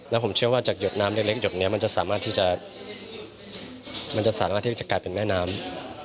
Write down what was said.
แล้วผมเชื่อว่าจากหยุดน้ำเล็กหยุดนี้มันจะสามารถที่จะกลายเป็นแม่น้ำ